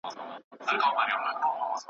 چېري د ګډو ګټو لپاره کار کیږي؟